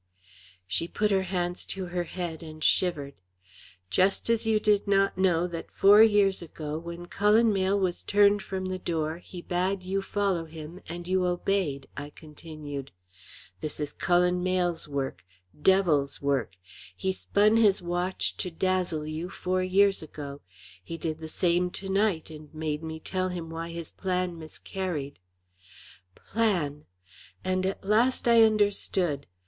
She put her hands to her head and shivered. "Just as you did not know that four years ago when Cullen Mayle was turned from the door, he bade you follow him, and you obeyed," I continued. "This is Cullen Mayle's work devil's work. He spun his watch to dazzle you four years ago; he did the same to night, and made me tell him why his plan miscarried. Plan!" and at last I understood.